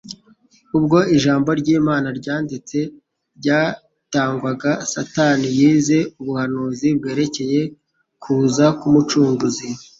Ubwo ijambo ry'Imana ryanditse ryatangwaga, Satani yize ubuhanuzi bwerekeye kuza k'Umucunguzi.